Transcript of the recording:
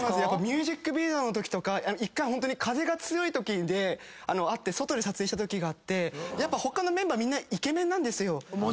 やっぱミュージックビデオのときとか１回ホントに風が強いときで外で撮影したときがあってやっぱ他のメンバーみんなイケメンなんですよ。